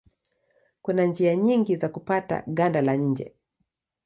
Kuna njia nyingi za kupata ganda la nje.